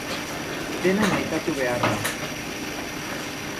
Dena maitatu behar da.